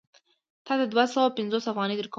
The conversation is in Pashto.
تا ته دوه سوه پنځوس افغانۍ درکوي